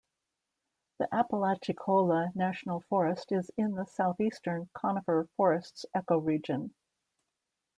The Apalachicola National Forest is in the southeastern conifer forests ecoregion.